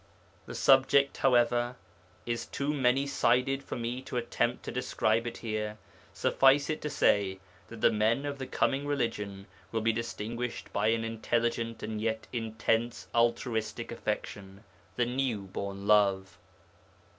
The subject, however, is too many sided for me to attempt to describe it here. Suffice it to say that the men of the coming religion will be distinguished by an intelligent and yet intense altruistic affection the new born love.